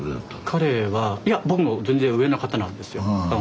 彼はいや全然上の方なんですよ。